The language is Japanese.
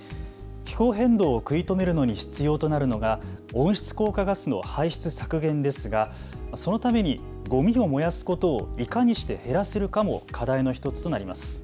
気候変動を食い止めるのに必要となるのが温室効果ガスの排出削減ですが、そのためにごみを燃やすことをいかにして減らすするかも課題の１つとなります。